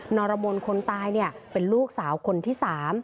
รมนคนตายเป็นลูกสาวคนที่๓